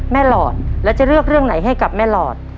หลอดแล้วจะเลือกเรื่องไหนให้กับแม่หลอด